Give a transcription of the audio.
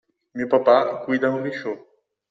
Mio papà guida un risciò.